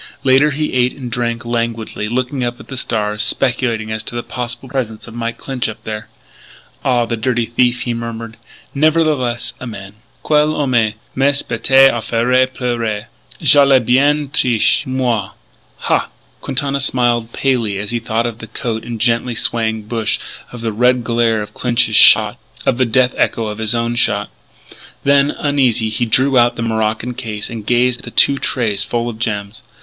Later he ate and drank languidly, looking up at the stars, speculating as to the possible presence of Mike Clinch up there. "Ah, the dirty thief," he murmured; " nevertheless a man. Quel homme! Mais bête à faire pleurer! Je l'ai bien triché, moi! Ha!" Quintana smiled palely as he thought of the coat and the gently swaying bush of the red glare of Clinch's shot, of the death echo of his own shot. Then, uneasy, he drew out the morocco case and gazed at the two trays full of gems.